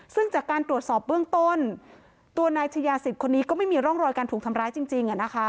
ซึ่งจากการตรวจสอบเบื้องต้นตัวนายชายาศิษย์คนนี้ก็ไม่มีร่องรอยการถูกทำร้ายจริง